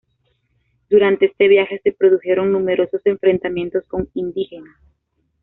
Durante este viaje se produjeron numerosos enfrentamientos con indígenas.